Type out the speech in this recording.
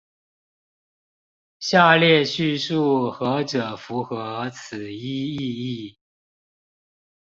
下列敘述何者符合此一意義？